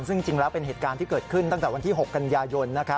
ซึ่งจริงแล้วเป็นเหตุการณ์ที่เกิดขึ้นตั้งแต่วันที่๖กันยายน